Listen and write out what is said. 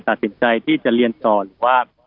ตัดสินใจที่จะเรียนต่อหรือว่า